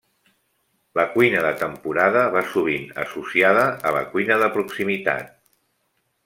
La cuina de temporada va sovint associada a la cuina de proximitat.